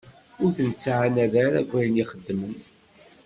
Ur ten-ttɛannad ara deg wayen i xeddmen.